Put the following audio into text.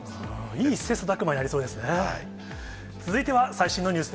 いい切さたく磨になりそうですね。